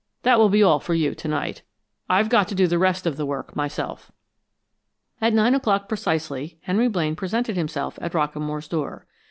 That will be all for you to night. I've got to do the rest of the work myself." At nine o'clock precisely, Henry Blaine presented himself at Rockamore's door.